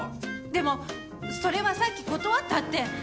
でも、それはさっき断ったって。